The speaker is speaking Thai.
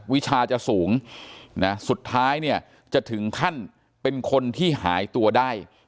วิชาจะสูงนะสุดท้ายเนี่ยจะถึงขั้นเป็นคนที่หายตัวได้